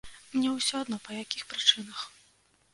Мне ўсё адно, па якіх прычынах.